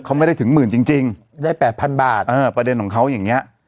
เขาไม่ได้ถึงหมื่นจริงจริงได้แปดพันบาทเออประเด็นของเขาอย่างเงี้ย